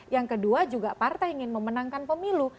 yang kedua juga partai ingin memenangkan pemilu